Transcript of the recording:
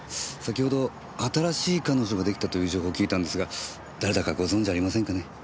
先ほど新しい彼女が出来たという情報を聞いたんですが誰だかご存じありませんかね？